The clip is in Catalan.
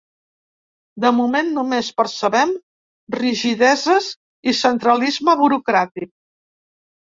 De moment, només percebem rigideses i centralisme burocràtic.